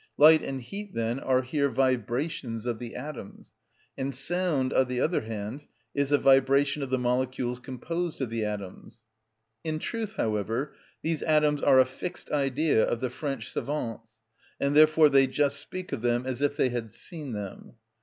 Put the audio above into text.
Light and heat, then, are here vibrations of the atoms; and sound, on the other hand, is a vibration of the molecules composed of the atoms. In truth, however, these atoms are a fixed idea of the French savants, and therefore they just speak of them as if they had seen them.